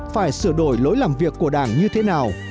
phải sửa đổi lối làm việc của đảng như thế nào